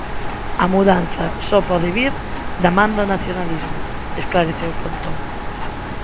A mudanza só pode vir da man do nacionalismo, esclareceu Pontón.